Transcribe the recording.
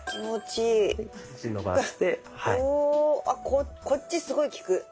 あっこっちすごい効く。